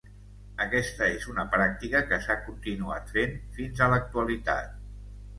Aquesta és una pràctica que s'ha continuat fent fins a l'actualitat.